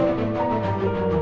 aku sudah terpaksa